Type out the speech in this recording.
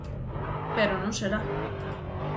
Pero non será.